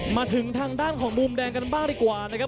มาถึงทางด้านของมุมแดงกันบ้างดีกว่านะครับ